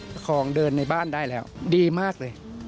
ของเดินในบ้านได้แล้วดีมากเลย